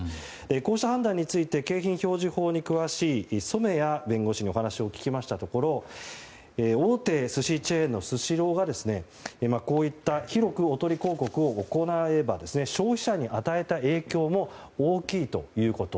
こうした判断について景品表示法に詳しい染谷弁護士にお話を聞きましたところ大手寿司チェーンのスシローがこういった広くおとり広告を行えば消費者に与えた影響も大きいということ。